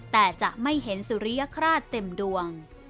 แต่จะไม่เห็นสุริยคราชเต็มดวง